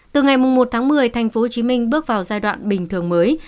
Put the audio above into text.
từ ngày một tháng một mươi tp hcm bước vào giai đoạn bình thường mới